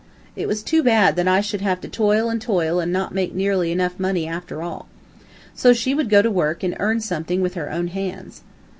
It was too bad that I should have to toil and toil and not make nearly enough money after all. So she would go to work and earn something with her own hands.